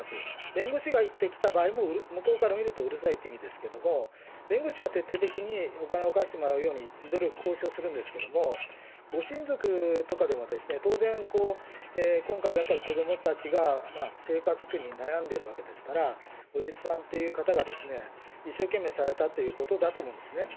弁護士が言ってきた場合も、向こうから見るとうるさいって意味ですけれども、弁護士は徹底的にお金を返してもらうように努力、交渉をするんですけれども、ご親族とかでも、当然、今回だったら、子どもたちが生活苦に悩んでるわけですから、伯父さんという方が一生懸命されたということだと思うんですね。